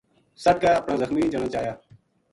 سَٹ کے اپنا زخمی جنا چایا